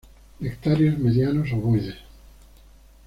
Nectarios medianos ovoides.